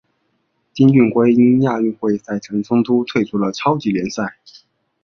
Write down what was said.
丁俊晖因亚运会赛程冲突退出超级联赛。